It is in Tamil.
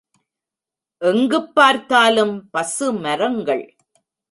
எங்குப் பார்த்தாலும் பசுமரங்கள்!